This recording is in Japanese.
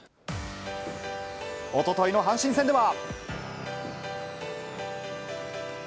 おとといの阪神戦では。